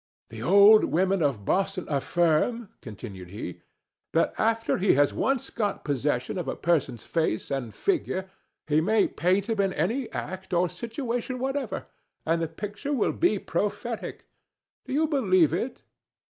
"The old women of Boston affirm," continued he, "that after he has once got possession of a person's face and figure he may paint him in any act or situation whatever, and the picture will be prophetic. Do you believe it?"